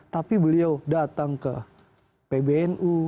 tapi beliau datang ke pbnu